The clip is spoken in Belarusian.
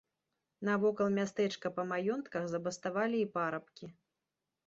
Навокал мястэчка па маёнтках забаставалі і парабкі.